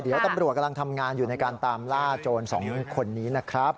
เดี๋ยวตำรวจกำลังทำงานอยู่ในการตามล่าโจรสองคนนี้นะครับ